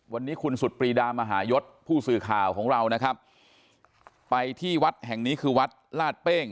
วันนี้คุณสุดปรีดามหายศผู้สื่อข่าวของเรานะครับไปที่วัดแห่งนี้คือวัดลาดเป้ง